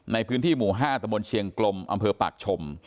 ในพื้นที่หมู่๕ตะบนเชียงกลมอำเภอปากชม